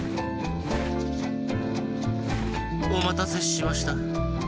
おまたせしました。